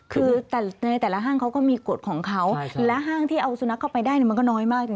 คือแต่ในแต่ละห้างเขาก็มีกฎของเขาและห้างที่เอาสุนัขเข้าไปได้มันก็น้อยมากนะ